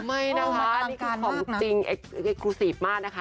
ไม่นะคะนี่คือของจริงไอ้ครูซีฟมากนะคะ